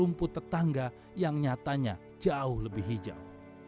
rumput tetangga yang nyatanya jauh lebih hijau